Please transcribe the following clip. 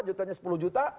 jutannya sepuluh juta